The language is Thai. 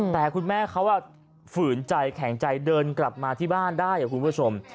แต่คุณแม่เขาฝืนใจแข็งใจเดินกลับมาที่บ้านได้คุณผู้ชม